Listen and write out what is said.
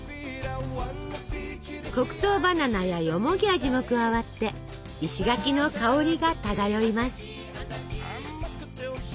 黒糖バナナやよもぎ味も加わって石垣の香りが漂います。